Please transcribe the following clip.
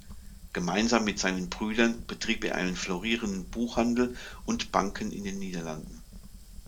Gemeinsam mit seinen Brüdern betrieb er einen florierenden Buchhandel und Banken in den Niederlanden.